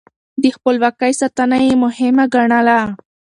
د خپلواکۍ ساتنه يې مهمه ګڼله.